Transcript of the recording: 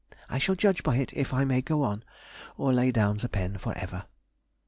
I shall judge by it if I may go on, or lay down the pen for ever.